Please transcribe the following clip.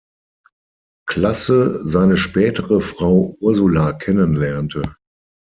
Klasse seine spätere Frau Ursula kennenlernte.